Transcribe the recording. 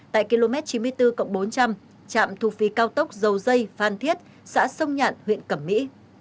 tại km chín mươi bốn bốn trăm linh trạm thu phí cao tốc dầu dây phan thiết xã sông nhạn huyện cẩm mỹ